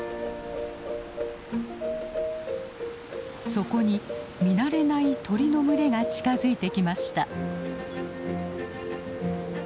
そこに見慣れない鳥の群れが近づいてきました。